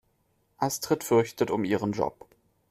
Astrid fürchtet um ihren Job.